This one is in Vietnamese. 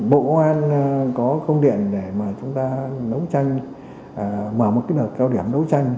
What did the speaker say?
bộ an có công điện để mà chúng ta nấu tranh mở một cái nợ cao điểm nấu tranh